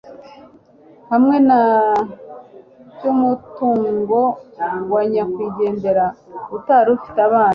hamwe na cy'umutungo wa nyakwigendera utari ufite abana